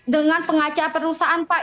dengan pengacara perusahaan pak